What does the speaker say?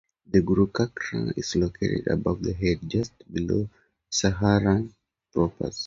The Guru Chakra is located above the head, just below Sahasrara proper.